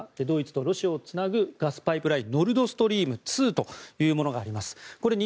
ドイツとロシアをつなぐガスパイプラインノルドストリーム２というものがあります。